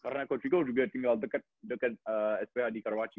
karena coach rico juga tinggal dekat sph di karawaci